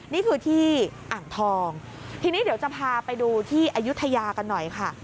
นี่คือที่อ่างทองทีนี้เดี๋ยวจะพาไปดูที่อายุทยากันหน่อยค่ะ